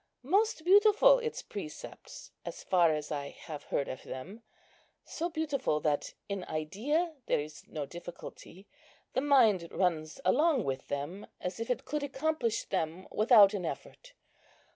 Most beautiful its precepts, as far as I have heard of them; so beautiful, that in idea there is no difficulty. The mind runs along with them, as if it could accomplish them without an effort.